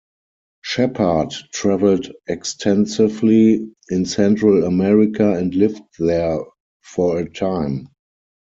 Shepard traveled extensively in Central America and lived there for a time.